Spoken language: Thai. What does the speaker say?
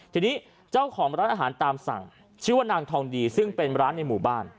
ทีนี้เจ้าของร้านอาหารตามสั่งชื่อว่านางทองดีซึ่งเป็นร้านในหมู่บ้าน